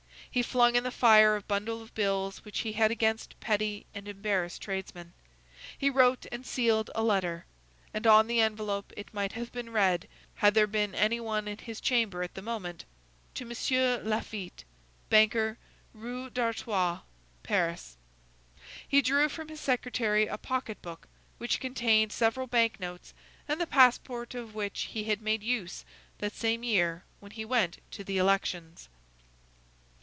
He flung in the fire a bundle of bills which he had against petty and embarrassed tradesmen. He wrote and sealed a letter, and on the envelope it might have been read, had there been any one in his chamber at the moment, To Monsieur Laffitte, Banker, Rue d'Artois, Paris. He drew from his secretary a pocket book which contained several bank notes and the passport of which he had made use that same year when he went to the elections.